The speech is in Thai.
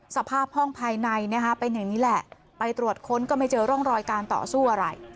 สภาพห้องภายในเป็นอย่างนี้แหละไปตรวจค้นก็ไม่เจอร่องรอยการต่อสู้อะไร